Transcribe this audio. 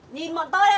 nhìn bọn tôi này